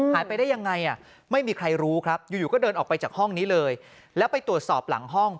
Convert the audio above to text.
หายไปได้ยังไงไม่มีใครรู้ครับอยู่ก็เดินออกไปจากห้องนี้เลยแล้วไปตรวจสอบหลังห้อง